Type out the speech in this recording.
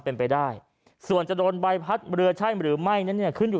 เป็นไปได้ส่วนจะโดนใบพัดเรือใช่หรือไม่นั้นเนี่ยขึ้นอยู่